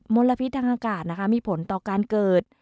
ลพิษทางอากาศนะคะมีผลต่อการเกิด